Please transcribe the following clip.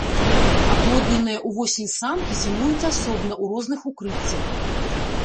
Аплодненыя ўвосень самкі зімуюць асобна ў розных укрыццях.